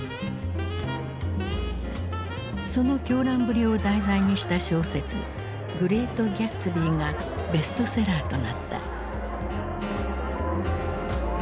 その狂乱ぶりを題材にした小説「グレート・ギャツビー」がベストセラーとなった。